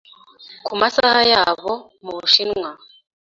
ku masaha yabo mubushinwa